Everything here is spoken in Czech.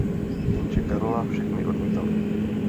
Jenže Karla všechny odmítala.